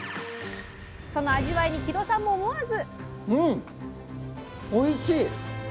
その味わいに木戸さんも思わず。